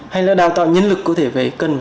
hay là đào tạo nhân lực có thể về cần